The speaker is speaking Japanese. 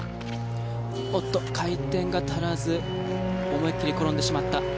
おっと、回転が足らず思い切り転んでしまった。